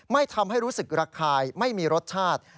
ไม่ทำให้รู้สึกระคายไม่มีรสชาติ